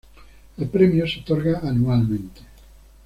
El premio se otorga anualmente.